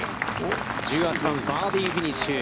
１８番、バーディーフィニッシュ。